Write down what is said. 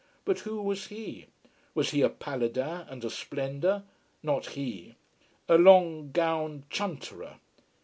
But who was he? Was he a Paladin and a splendour? Not he. A long gowned chunterer.